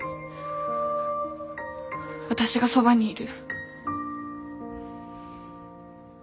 私がそばにいる。